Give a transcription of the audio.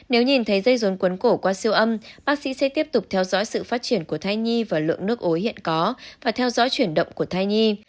nếu nhìn thấy dây rốn cuốn cổ qua siêu âm bác sĩ sẽ tiếp tục theo dõi sự phát triển của thai nhi và lượng nước ối hiện có và theo dõi chuyển động của thai nhi